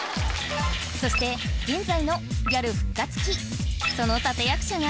そして現在のギャル復活期その立役者が